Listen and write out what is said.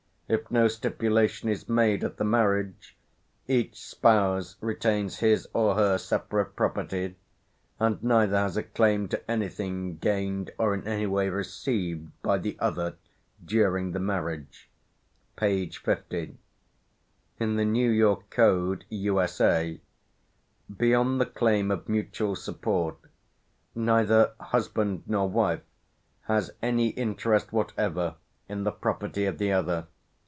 If no stipulation is made at the marriage, each spouse retains his or her separate property, and neither has a claim to anything gained or in any way received by the other during the marriage" (p. 50). In the New York code (U.S.A.), "beyond the claim of mutual support, neither [husband nor wife] has any interest whatever in the property of the other.